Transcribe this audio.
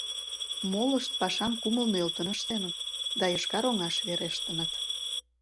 Молышт пашам кумыл нӧлтын ыштеныт да йошкар оҥаш верештыныт.